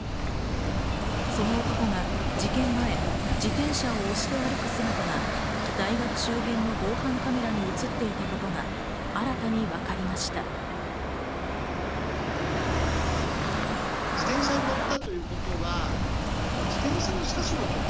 その男が事件前、自転車を押して歩く姿が大学周辺の防犯カメラに映っていたことが新たに分かりました。